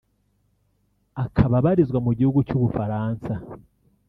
akaba abarizwa mu gihugu cy’u Bufaransa